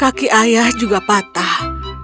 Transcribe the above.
kaki ayah juga patah